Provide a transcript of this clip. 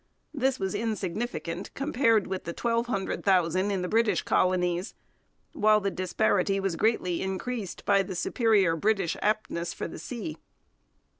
This was insignificant compared with the twelve hundred thousand in the British colonies; while the disparity was greatly increased by the superior British aptness for the sea.